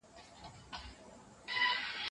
کوټه د ملا د اوسېدو یوازینی ځای و.